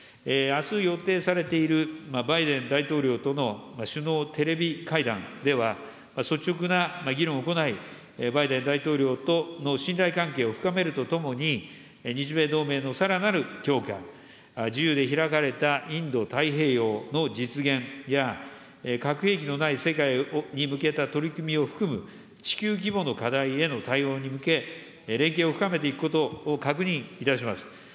あす予定されているバイデン大統領との首脳テレビ会談では、率直な議論を行い、バイデン大統領との信頼関係を深めるとともに、日米同盟のさらなる強化、自由で開かれたインド太平洋の実現や、核兵器のない世界に向けた取り組みを含む、地球規模の課題への対応に向け、連携を深めていくことを確認いたします。